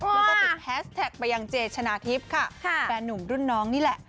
แล้วก็ติดแฮสแท็กไปยังเจชนะทิพย์ค่ะแฟนนุ่มรุ่นน้องนี่แหละ